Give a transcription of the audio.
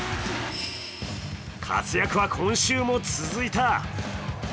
活躍は今週も続いた。